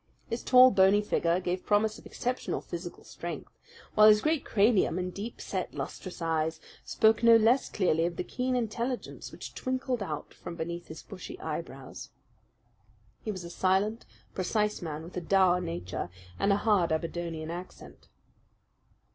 His tall, bony figure gave promise of exceptional physical strength, while his great cranium and deep set, lustrous eyes spoke no less clearly of the keen intelligence which twinkled out from behind his bushy eyebrows. He was a silent, precise man with a dour nature and a hard Aberdonian accent.